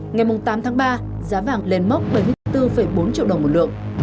ngày tám tháng ba giá vàng lên mốc bảy mươi bốn bốn triệu đồng một lượng